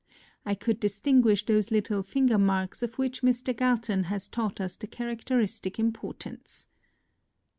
I could distinguish those little finger marks of which Mr. Gal ton has taught us the characteristic impor tance.